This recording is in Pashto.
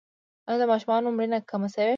آیا د ماشومانو مړینه کمه شوې؟